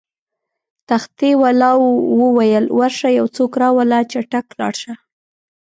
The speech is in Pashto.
تختې والاو وویل: ورشه یو څوک راوله، چټک لاړ شه.